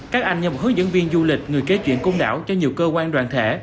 các anh như một hướng dẫn viên du lịch người kế chuyển công đảo cho nhiều cơ quan đoàn thể